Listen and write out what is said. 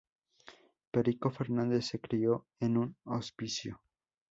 Perico Fernández se crio en un hospicio.